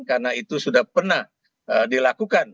karena itu sudah pernah dilakukan